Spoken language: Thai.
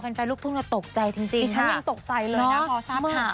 แฟนแฟนลูกทุกคนจะตกใจจริงค่ะคุณฉันยังตกใจเลยนะพอทราบเผา